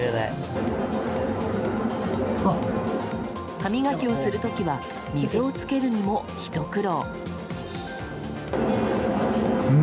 歯磨きをする時は水をつけるのもひと苦労。